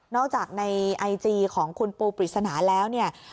นอกจากในไอจีของคุณปูปริศนาแล้ว